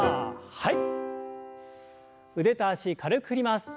はい。